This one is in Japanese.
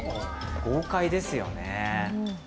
豪快ですよね。